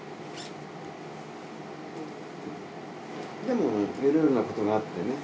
でもいろいろなことがあってね。